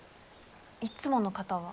いつもの方は？